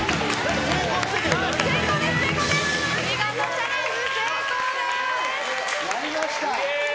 チャレンジ成功です！